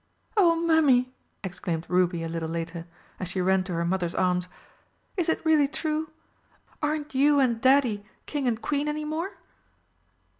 "Oh, Mummy!" exclaimed Ruby a little later, as she ran to her Mother's arms, "is it really true? Aren't you and Daddy King and Queen any more?"